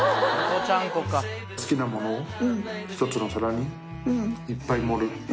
好きなものを１つのお皿にいっぱい盛る。